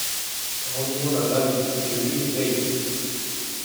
Rendez-moi ma bague, et que Dieu vous paie !